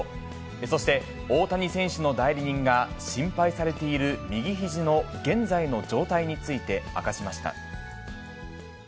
そして、大谷選手の代理人が、心配されている右ひじの現在の状態について明かしました。